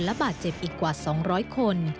และบาดเจ็บอีกกว่า๒๐๐คน